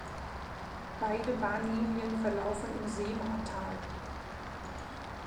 Beide Bahnlinien verlaufen im Sehmatal.